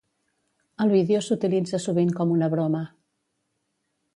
El vídeo s'utilitza sovint com una broma.